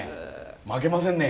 負けませんね。